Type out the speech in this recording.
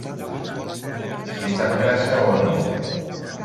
Si estava grassa o no.